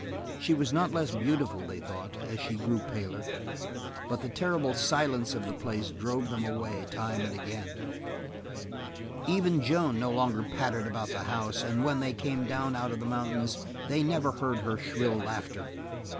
She was not less beautiful they thought, as she grew paler, but the terrible silence of the place drove them away time and again. Even Joan no longer pattered about the house, and when they came down out of the mountains they never heard her shrill laughter.